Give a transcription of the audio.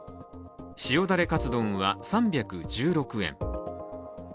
塩だれカツ丼は３１６円。